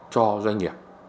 cho doanh nghiệp